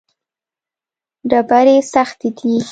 ډبرې سختې دي.